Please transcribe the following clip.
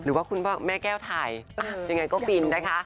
หรือว่าคุณแม่แก้วไทยยังไงก็ฟินนะคะ